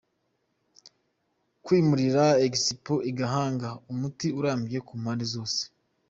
Kwimurira Expo i Gahanga, umuti urambye ku mpande zose.